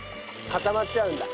固まっちゃうんだ。